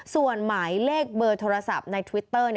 ส่วนหมายเลขเบอร์โทรศัพท์ในทวิตเตอร์